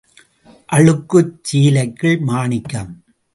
அழுக்குச் சீலைக்குள் மாணிக்கம்.